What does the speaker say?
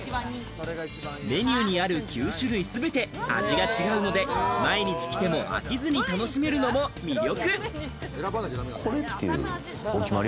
メニューにある９種類全て味が違うので、毎日来ても飽きずに楽しめるのも魅力。